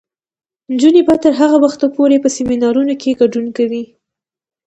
نجونې به تر هغه وخته پورې په سیمینارونو کې ګډون کوي.